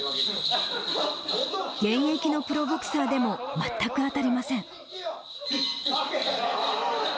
現役のプロボクサーでも全く当たりません。